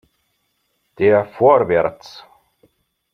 Der "Vorwärts!